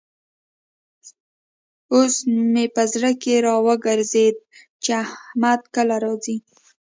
اوس مې په زړه کې را وګرزېد چې احمد کله راځي.